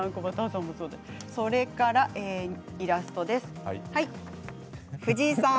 それからイラストです藤井さん。